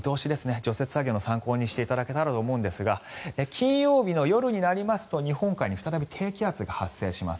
除雪作業の参考にしていただけたらと思うんですが金曜日の夜になりますと日本海に再び低気圧が発生します。